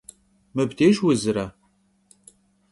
Mıbdêjj vuzre?